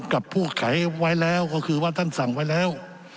กับผู้ไขไว้แล้วก็คือว่าท่านสั่งไว้แล้ว